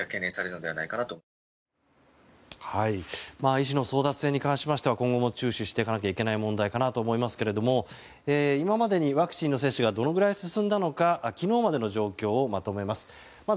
医師の争奪戦に関しましては今後も注視していかなきゃいけない問題かなと思いますけれども今までにワクチンの接種がどのぐらい進んだのか昨日までの状況をまとめます。